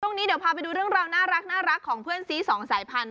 นี้เดี๋ยวพาไปดูเรื่องราวน่ารักของเพื่อนซีสองสายพันธุ